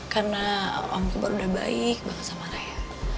karena om kepar udah baik banget sama raya